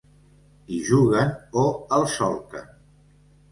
Hi juguen o el solquen.